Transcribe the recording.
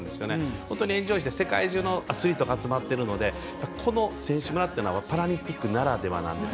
本当にエンジョイして世界中のアスリートが集まっているのでこの選手村ってパラリンピックならではなんです。